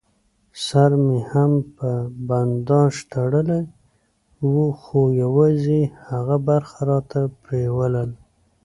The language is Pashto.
سر مې هم په بنداژ تړلی و، خو یوازې یې هغه برخه راته پرېولل.